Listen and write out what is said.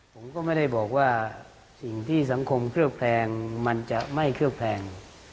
ผมก็ไม่ได้บอกว่าสิ่งที่สังคมเคลือบแคลงมันจะไม่เคลือบแคลง